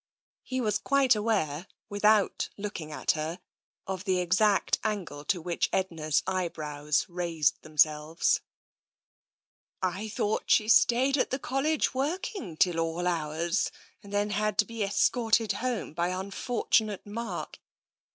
He was quite aware, without looking at her, of the exact angle to which Edna's eyebrows raised them selves. y2 TENSION " I thought she stayed at the College working till all hours, and then had to be escorted home by un fortunate Mark?"